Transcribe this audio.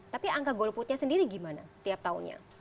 tapi angka goal putnya sendiri gimana tiap tahunnya